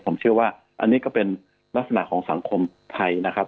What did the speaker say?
ผมเชื่อว่าอันนี้ก็เป็นลักษณะของสังคมไทยนะครับ